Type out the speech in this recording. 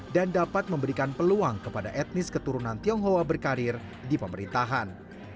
dan dapat memberikan peluang kepada etnis keturunan tionghoa berkarir di pemerintahan